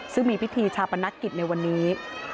ซึ่งมีพิธีชาปนกิจในวันนี้